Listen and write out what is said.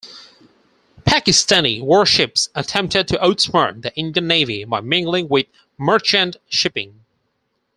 Pakistani warships attempted to outsmart the Indian Navy by mingling with merchant shipping.